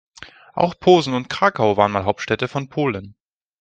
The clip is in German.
Auch Posen und Krakau waren mal Hauptstädte von Polen.